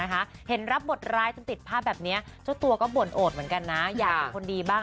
เห็นรับบทร้ายจนติดภาพแบบนี้เจ้าตัวก็บ่นโอดเหมือนกันนะอยากเป็นคนดีบ้าง